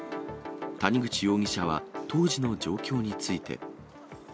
谷口容疑者は当時の状況について。